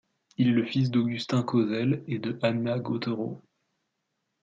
Il est fils d’Augustin Causel et de Anna Gautherot.